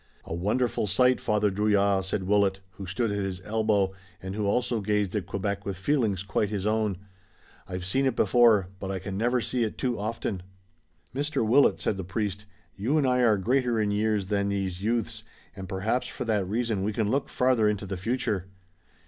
"A wonderful sight, Father Drouillard," said Willet, who stood at his elbow and who also gazed at Quebec with feelings quite his own. "I've seen it before, but I can never see it too often." "Mr. Willet," said the priest, "you and I are greater in years than these youths, and perhaps for that reason we can look farther into the future.